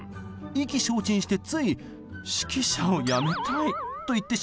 意気消沈してつい「指揮者をやめたい」と言ってしまいました。